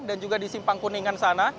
dan juga di simpang kuningan sana